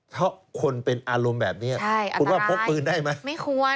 เพราะคนเป็นอารมณ์แบบนี้คุณว่าพกปืนได้ไหมไม่ควร